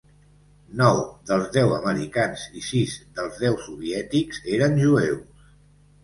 Nou dels deu americans i sis dels deu soviètics eren jueus.